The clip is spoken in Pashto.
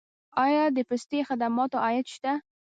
آیا د پستي خدماتو عاید شته؟